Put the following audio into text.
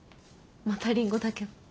またリンゴだけど。